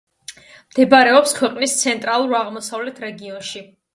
მდებარეობს ქვეყნის ცენტრალურ-აღმოსავლეთ რეგიონში.